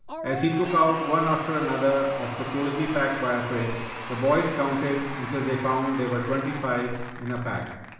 As he took out one after another of the closely packed wire frames the boys counted until they found there were twenty five in a pack.